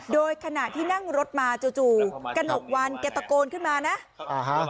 โดยขณะที่นั่งรถมาจู่กนกวัลกระตะโกนขึ้นมานะ